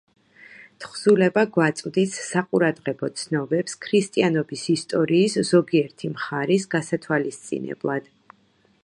თხზულება გვაწვდის საყურადღებო ცნობებს ქრისტიანობის ისტორიის ზოგიერთი მხარის გასათვალისწინებლად.